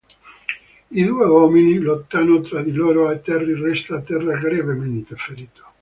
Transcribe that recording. I due uomini lottano tra di loro e Terry resta a terra gravemente ferito.